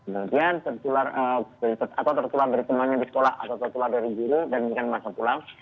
kemudian atau tertular dari temannya di sekolah atau tertular dari guru dan masa pulang